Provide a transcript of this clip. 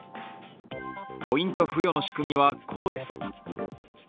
ポイント付与の仕組みはこうです。